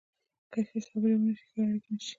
که ښه خبرې ونه شي، ښه اړیکې نشي